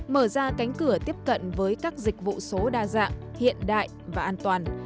mở ra cánh cửa tiếp cận với các dịch vụ số đa dạng hiện đại và an toàn